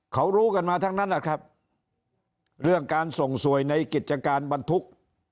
เขารู้กันมาทั้งนั้นนะครับเรื่องการส่งสวยในกิจการบรรทุก